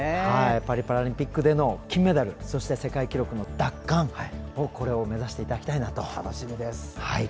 パリパラリンピックでの金メダル、そして世界記録の奪還を目指していただきたいなと思います。